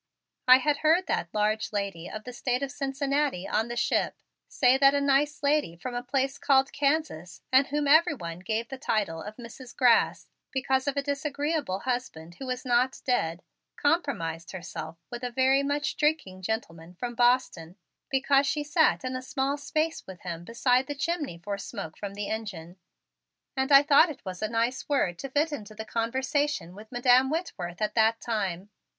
I had heard that large lady of the State of Cincinnati on the ship say that a nice lady from a place called Kansas, and whom everyone gave the title of Mrs. Grass because of a disagreeable husband who was not dead, "compromised" herself with a very much drinking gentleman from Boston because she sat in a small space with him behind the chimney for smoke from the engine, and I thought it was a nice word to fit into the conversation with Madam Whitworth at that time.